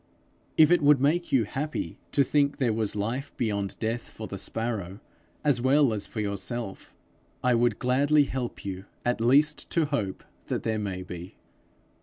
If it would make you happy to think there was life beyond death for the sparrow as well as for yourself, I would gladly help you at least to hope that there may be.